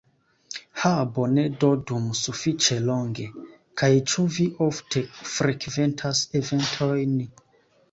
Ha bone do dum sufiĉe longe! kaj ĉu vi ofte frekventas eventojn